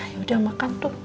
ya udah makan tuh